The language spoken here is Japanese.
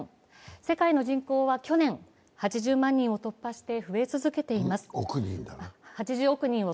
世界の人口は去年、８０億人を突破して増え続けています。